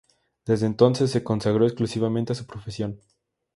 Desde entonces se consagró exclusivamente a su profesión.